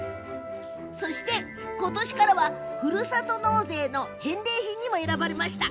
今年から、ふるさと納税の返礼品にも選ばれました。